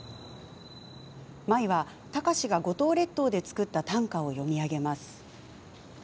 舞は貴司が五島列島で作った短歌を詠みあげます。